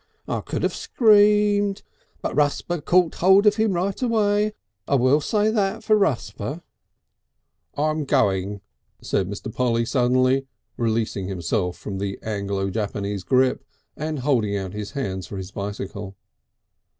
I could have screamed. But Rusper caught hold of him right away, I will say that for Rusper...." "I'm going," said Mr. Polly suddenly, releasing himself from the Anglo Japanese grip and holding out his hands for his bicycle.